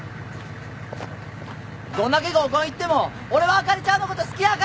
どんだけ合コン行っても俺はあかりちゃんのこと好きやから。